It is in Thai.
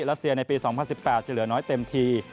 รัสเซียในปี๒๐๑๘จะเหลือน้อยเต็มที